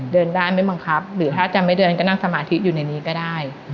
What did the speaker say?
เดินได้ไม่บังคับหรือถ้าจะไม่เดินก็นั่งสมาธิอยู่ในนี้ก็ได้